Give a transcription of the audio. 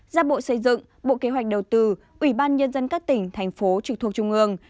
ra bộ xây dựng bộ kế hoạch đầu tư ủy ban nhân dân các tỉnh thành phố trực thuộc trung ương